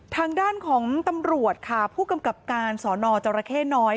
ทางด้านของตำรวจค่ะผู้กำกับการสอนอจรเข้น้อย